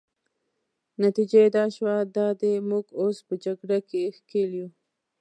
نتیجه يې دا شوه، دا دی موږ اوس په جګړه کې ښکېل یو.